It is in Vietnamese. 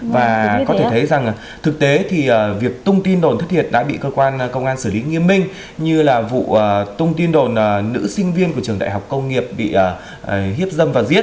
và có thể thấy rằng thực tế thì việc tung tin đồn thất thiệt đã bị cơ quan công an xử lý nghiêm minh như là vụ tung tin đồn nữ sinh viên của trường đại học công nghiệp bị hiếp dâm và giết